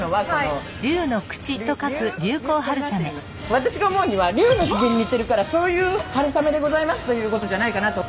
私が思うには龍のヒゲに似てるからそういう春雨でございますということじゃないかなと。